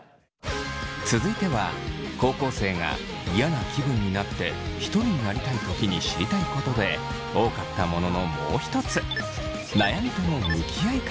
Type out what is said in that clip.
続いては高校生が嫌な気分になってひとりになりたいときに知りたいことで多かったもののもう一つ。